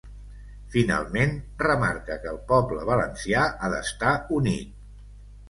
Finalment, remarca que el poble valencià ha d’estar unit.